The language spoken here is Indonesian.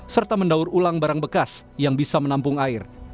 serta mendaur ulang barang bekas yang bisa menampung air